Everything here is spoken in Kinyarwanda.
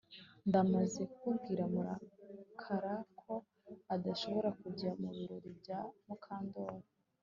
Ndamaze kubwira Mukara ko adashobora kujya mubirori bya Mukandoli